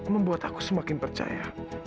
membuat aku semakin percaya